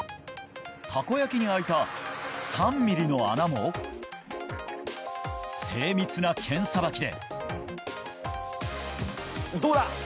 たこ焼きに開いた３ｍｍの穴も精密な剣さばきで。